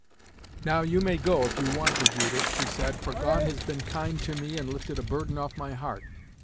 "Now, you may go if you want to, Judith," she said, "for God has been kind to me, and lifted a burden off my heart.